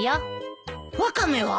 ワカメは？